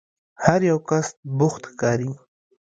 هر یو کس بوخت ښکاري.